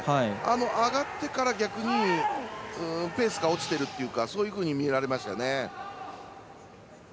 上がってから逆にペースが落ちてるっていうかそういうふうに見られました。